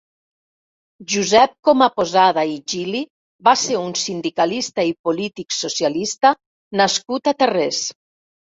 Josep Comaposada i Gili va ser un sindicalista i polític socialista nascut a Tarrés.